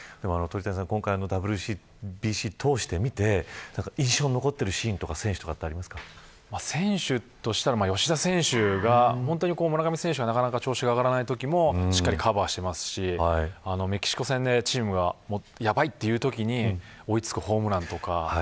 今回、ＷＢＣを通してみて印象に残っているシーンとか選手としては吉田選手が村上選手の調子がなかなか上がらないときもしっかりとカバーしていましたしメキシコ戦でチームがやばいというときに追い付くホームランとか。